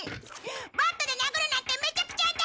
バットで殴るなんてめちゃくちゃだ！